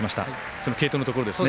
その継投のところですね。